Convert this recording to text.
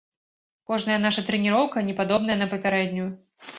Кожная наша трэніроўка не падобная на папярэднюю.